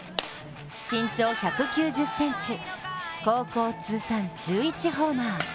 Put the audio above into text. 身長１９０ｃｍ、高校通算１１ホーマー。